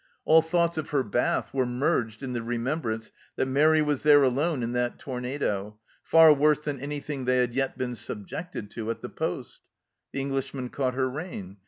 All thoughts of her bath were merged in the remembrance that Mairi was there alone in that tornado, far worse than anything they had yet been subjected to at the poste. The Englishman caught her rein.